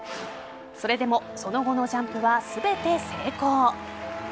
それでもその後のジャンプは全て成功。